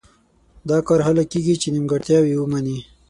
دا کار هله کېږي چې نیمګړتیاوې ومني.